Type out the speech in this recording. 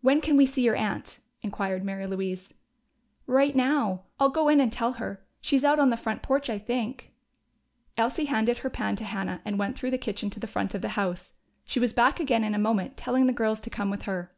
"When can we see your aunt?" inquired Mary Louise. "Right now. I'll go in and tell her. She's out on the front porch, I think." Elsie handed her pan to Hannah and went through the kitchen to the front of the house. She was back again in a moment, telling the girls to come with her.